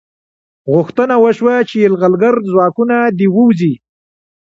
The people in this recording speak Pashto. غوښتنه وشوه چې یرغلګر ځواکونه دې ووځي.